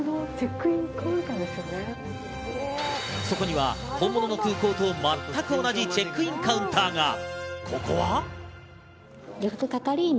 そこには本物の空港と全く同じチェックインカウンターが。